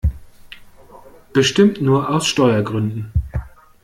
Bestimmt nur aus Steuergründen!